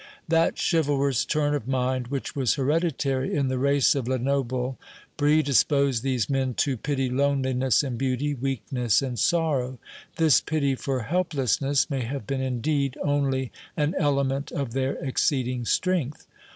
That chivalrous turn of mind which was hereditary in the race of Lenoble predisposed these men to pity loneliness and beauty, weakness and sorrow. This pity for helplessness may have been indeed only an element of their exceeding strength.